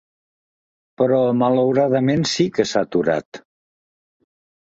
Però malauradament sí que s’ha aturat.